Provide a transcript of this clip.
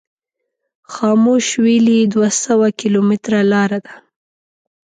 خاموش ویلي دوه سوه کیلومتره لار ده.